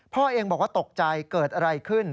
พ่อเองบอกว่าตกใจเกิดอะไรขึ้น